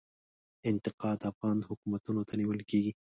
انتقاد افغان حکومتونو ته نیول کیږي.